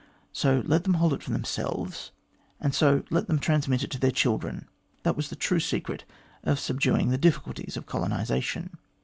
So let them hold it for themselves, and so let them trans mit it to their children. That was the true secret of sub duing the difficulties of colonisation.